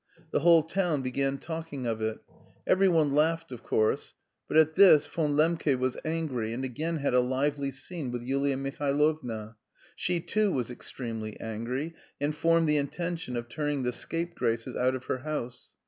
The whole town began talking of it. Every one laughed, of course. But at this Von Lembke was angry, and again had a lively scene with Yulia Mihailovna. She, too, was extremely angry, and formed the intention of turning the scapegraces out of her house.